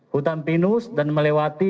hutampinus dan melewati